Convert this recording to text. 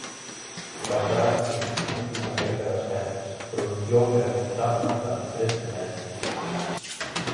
Bastará con que xustifique unha caída das vendas, produción e resultados durante tres trimestres.